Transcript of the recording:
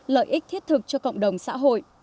lợi ích thiết thực cho cộng đồng xã hội